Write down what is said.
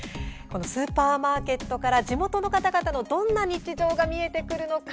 スーパーマーケットに並ぶ商品から地元の方々のどんな日常が見えてくるのか。